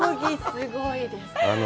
すごいです。